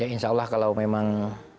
insya allah kalau memang